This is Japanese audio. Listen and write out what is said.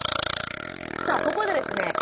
さあここでですね